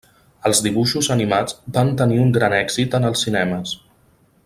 Els dibuixos animats van tenir un gran èxit en els cinemes.